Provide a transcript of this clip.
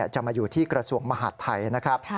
จะมาอยู่ที่กระทรวงมหาดไทยนะครับ